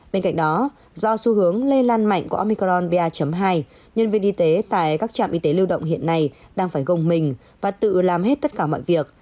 bên cạnh đó do xu hướng lây lan mạnh của omicron ba hai nhân viên y tế tại các trạm y tế lưu động hiện nay đang phải gồng mình và tự làm hết tất cả mọi việc